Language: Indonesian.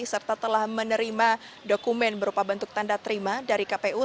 serta telah menerima dokumen berupa bentuk tanda terima dari kpu